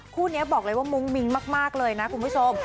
คู่นี้บอกเลยว่ามุ้งมิ้งมากเลยนะคุณผู้ชม